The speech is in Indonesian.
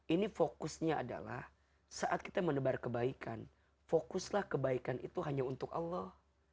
ini fokusnya adalah saat kita menebar kebaikan fokuslah kebaikan itu hanya untuk allah